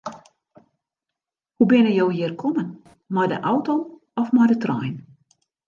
Hoe binne jo hjir kommen, mei de auto of mei de trein?